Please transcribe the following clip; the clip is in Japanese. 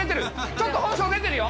ちょっと本性出てるよ！